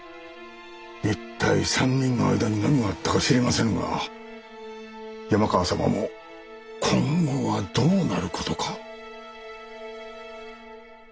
一体３人の間に何があったか知りませんが山川様も今後はどうなることか。